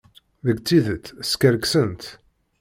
Deg tidet, skerksent.